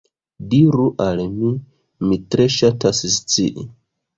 Diru al mi, mi tre ŝatas scii.